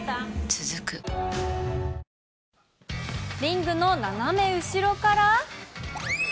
続くリングの斜め後ろから。